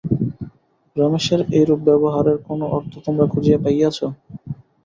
রমেশের এইরূপ ব্যবহারের কোনো অর্থ তোমরা খুঁজিয়া পাইয়াছ?